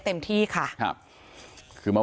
โปรดติดตามต่อไป